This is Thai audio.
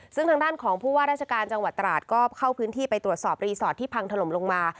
ซึ่งทางด้านของผู้ว่าราชการจังหวัดตราดก็เข้าพื้นที่ไปตรวจสอบรีสอร์ทที่พังถล่มลงมา